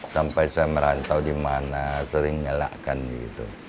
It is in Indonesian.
sampai saya merantau di mana sering nyalakan gitu